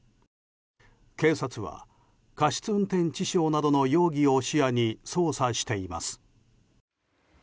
警察は過失運転致傷などの容疑を視野に捜査しています。